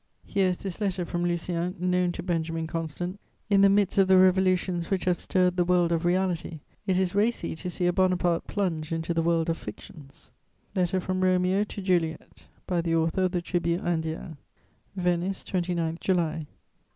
Here is this letter from Lucien, known to Benjamin Constant; in the midst of the revolutions which have stirred the world of reality, it is racy to see a Bonaparte plunge into the world of fictions: LETTER FROM ROMEO TO JULIET by the author of the Tribu indienne "VENICE, 29 _July.